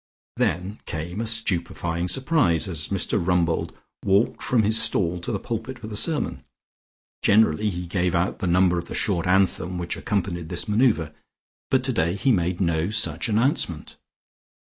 Then came a stupefying surprise as Mr Rumbold walked from his stall to the pulpit for the sermon. Generally he gave out the number of the short anthem which accompanied this manoeuvre, but today he made no such announcement.